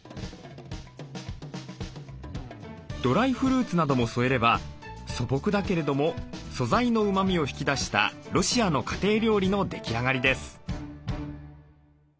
ドライフルーツなども添えれば素朴だけれども素材のうまみを引き出したロシアの家庭料理の出来上がりです。